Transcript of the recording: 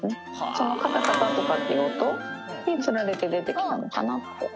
そのかたかたとかっていう音につられて出てきたのかなって。